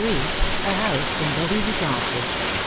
A HOUSE IN THE RUE DU TEMPLE.